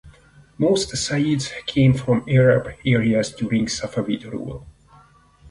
Most "Sayyids" came from Arab areas during Safavid rule.